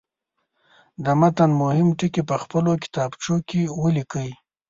د متن مهم ټکي په خپلو کتابچو کې ولیکئ.